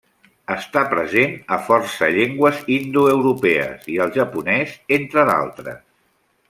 Està present a força llengües indoeuropees i al japonès, entre d'altres.